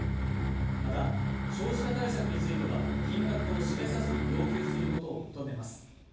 また、少子化対策については金額を示さずに要求することを認めます。